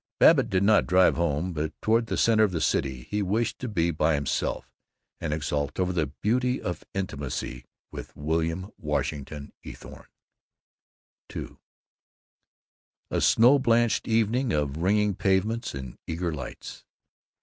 Babbitt did not drive home, but toward the center of the city. He wished to be by himself and exult over the beauty of intimacy with William Washington Eathorne. II A snow blanched evening of ringing pavements and eager lights.